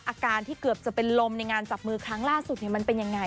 อาการที่เกือบจะเป็นลมในงานจับมือครั้งล่าสุดมันเป็นยังไง